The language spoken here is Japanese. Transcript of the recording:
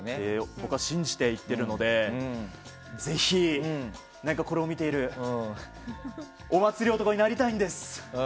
僕は信じて言っているのでぜひ、これを見ている方お祭り男になりたいんです！